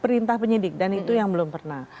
perintah penyidik dan itu yang belum pernah